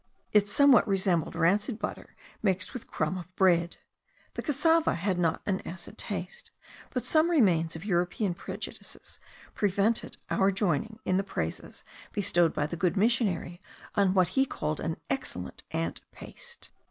It somewhat resembled rancid butter mixed with crumb of bread. The cassava had not an acid taste, but some remains of European prejudices prevented our joining in the praises bestowed by the good missionary on what he called an excellent ant paste.